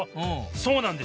そうなんです！